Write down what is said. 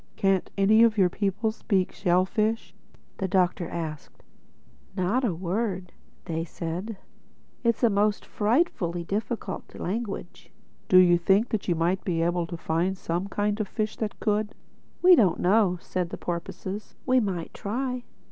"Can't any of your people speak shellfish?" the Doctor asked. "Not a word," said they. "It's a most frightfully difficult language." "Do you think that you might be able to find me some kind of a fish that could?" "We don't know," said the porpoises. "We might try."